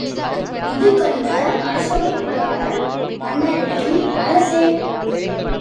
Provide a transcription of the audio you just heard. இது கண்ட அரசவைப் புலவர், மன்னரிடம், அரசே!